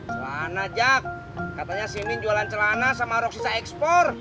celana jak katanya si min jualan celana sama roksisa ekspor